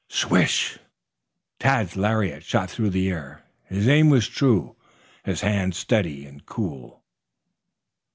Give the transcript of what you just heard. Swish! Tad's lariat shot through the air. His aim was true, his hand steady and cool.